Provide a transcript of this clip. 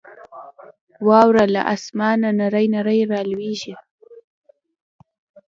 واوره له اسمانه نرۍ نرۍ راورېږي.